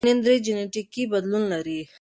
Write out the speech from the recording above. الفا اکتینین درې جینیټیکي بدلون لري.